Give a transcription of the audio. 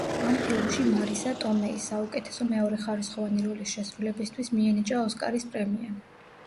ამ ფილმში მარისა ტომეის, საუკეთესო მეორეხარისხოვანი როლის შესრულებისთვის მიენიჭა ოსკარის პრემია.